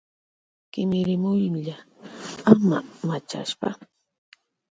Kimirimuylla ama manchashpa.